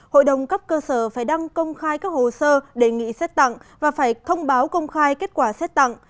hội đồng cấp cơ sở phải đăng công khai các hồ sơ đề nghị xét tặng và phải thông báo công khai kết quả xét tặng